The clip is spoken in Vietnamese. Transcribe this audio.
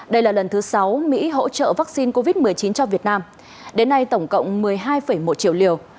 đây là lần thứ sáu mỹ hỗ trợ vaccine covid một mươi chín cho việt nam đến nay tổng cộng một mươi hai một triệu liều